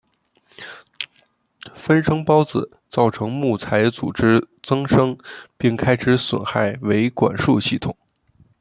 分生孢子造成木材组织增生并开始损害维管束系统。